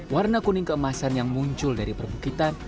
warna kuning keemasan yang muncul dari perbukitan